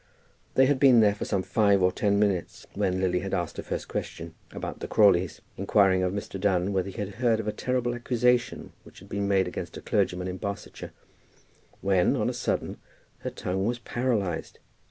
They had been there for some five or ten minutes, and Lily had asked her first question about the Crawleys, inquiring of Mr. Dunn whether he had heard of a terrible accusation which had been made against a clergyman in Barsetshire, when on a sudden her tongue was paralyzed.